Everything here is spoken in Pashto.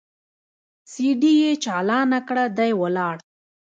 سي ډي يې چالانه کړه دى ولاړ.